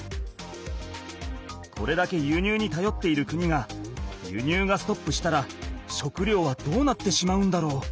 これだけ輸入にたよっている国が輸入がストップしたら食料はどうなってしまうんだろう？